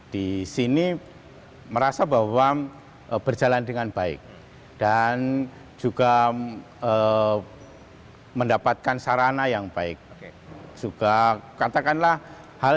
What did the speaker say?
di sini merasa bahwa berjalan dengan baik dan juga mendapatkan sarana yang baik juga katakanlah hal